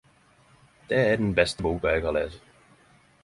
Det er den beste boka eg har lese.